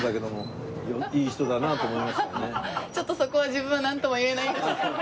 ちょっとそこは自分はなんとも言えないんですけど。